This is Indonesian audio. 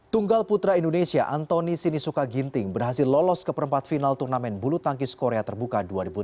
tunggal putra indonesia antoni sinisuka ginting berhasil lolos ke perempat final turnamen bulu tangkis korea terbuka dua ribu delapan belas